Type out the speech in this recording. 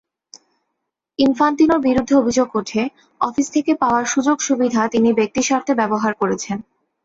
ইনফান্তিনোর বিরুদ্ধে অভিযোগ ওঠে, অফিস থেকে পাওয়া সুযোগ-সুবিধা তিনি ব্যক্তিস্বার্থে ব্যবহার করেছেন।